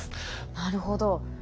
なるほど。